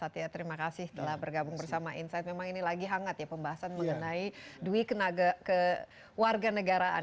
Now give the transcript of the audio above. terima kasih telah bergabung bersama insight memang ini lagi hangat ya pembahasan mengenai duit kewarganegaraan